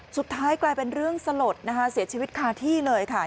สุดท้ายกลายเป็นเรื่องสลดนะคะเสียชีวิตคาที่เลยค่ะ